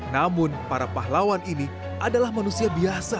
namun para pahlawan ini adalah manusia biasa